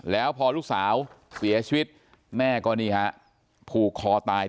แล้วพอลูกสาวเปลี่ยงชีวิตแม่กรณีครับผวกคอตาย